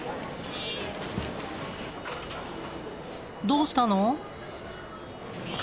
どうしたの？